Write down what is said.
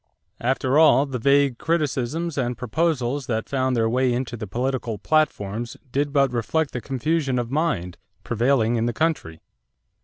After all, the vague criticisms and proposals that found their way into the political platforms did but reflect the confusion of mind prevailing in the country.